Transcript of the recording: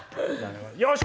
よし！